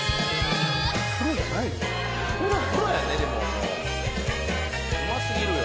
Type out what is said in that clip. うますぎるよ